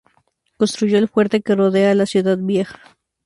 Construyó el fuerte que rodea a la ciudad vieja.